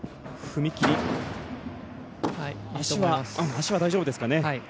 足は大丈夫ですかね。